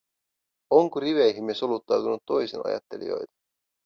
Onko riveihimme soluttautunut toisinajattelijoita?